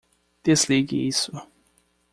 Desligue isso.